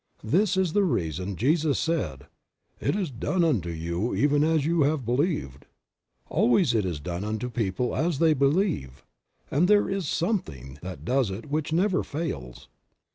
This is the reason Jesus said "It is done unto you even as you have believed." Always it is done unto people as they believe, and there is Something that does it which never fails.